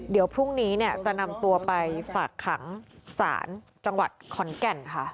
เดี๋ยวพรุ่งนี้จะนำตัวไปฝากขังศาลจังหวัดขอนแก่นค่ะ